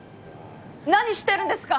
何してるんですか！